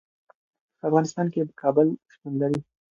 په افغانستان کې کابل شتون لري.